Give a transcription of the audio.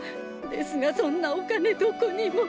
ですがそんなお金どこにも！